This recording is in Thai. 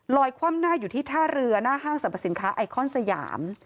คว่ำหน้าอยู่ที่ท่าเรือหน้าห้างสรรพสินค้าไอคอนสยาม